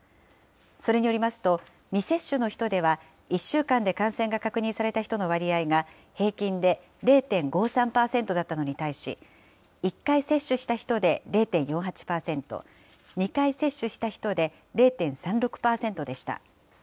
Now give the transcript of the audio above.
それによりますと、未接種の人では１週間で感染が確認された人の割合が平均で０．５３％だったのに対し、１回接種した人で０．４８％、２回接種した人で０．３６％でした。